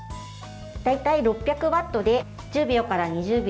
大体６００ワットで１０秒から２０秒。